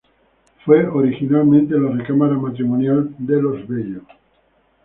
Fue originalmente la recámara matrimonial de los Bello.